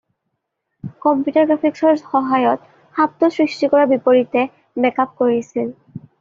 Computer গ্ৰাফিক্সৰ সহায়ত সাপটো সৃষ্টি কৰাৰ বিপৰীতে মেক-আপ কৰিছিল।